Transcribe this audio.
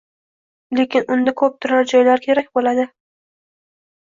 lekin unda koʻp turar joylar kerak boʻladi